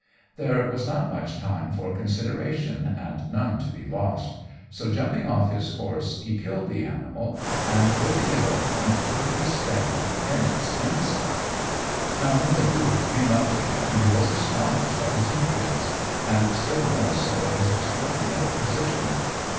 There was not much time for consideration, and none to be lost, so, jumping off his horse, he killed the animal, and, ripping it open, took his stand in its inside. Now when the Duke came up to him he was astonished at his impudence, and still more so at his extraordinary position.